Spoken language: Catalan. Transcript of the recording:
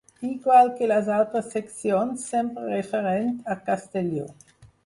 Igual que les altres seccions, sempre referent a Castelló.